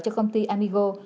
cho công ty amigo